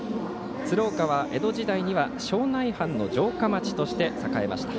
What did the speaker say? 鶴岡は江戸時代には庄内藩の城下町として栄えました。